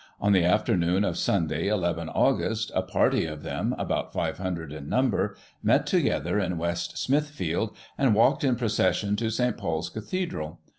On the afternoon of Sunday, 11 Aug., a party of them, about 500 in number, met together in West Smithfield, and walked in procession to St. Paul's Cathedral.